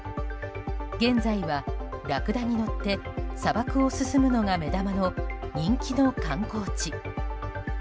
現在は、ラクダに乗って砂漠を進むのが目玉の人気の観光地。